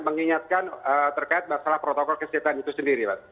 mengingatkan terkait masalah protokol kesehatan itu sendiri pak